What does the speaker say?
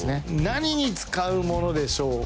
何に使う物でしょうか？